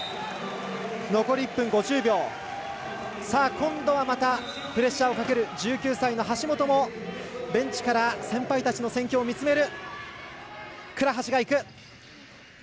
今度はまたプレッシャーをかける１９歳の橋本もベンチから先輩たちの戦況を見つめる。